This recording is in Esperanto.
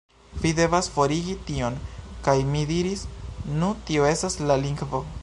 Vi devas forigi tion" kaj mi diris, "Nu, tio estas la lingvo.